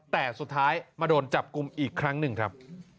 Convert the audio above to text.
แต่สุดท้ายมาโดนจับกลุ่มอีกครั้งหนึ่งครับ